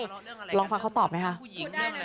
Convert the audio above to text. ทะเลาะเรื่องอะไรกันเรื่องเงินเรื่องผู้หญิงเรื่องอะไร